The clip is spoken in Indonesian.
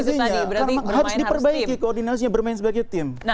artinya harus diperbaiki koordinasinya bermain sebagai tim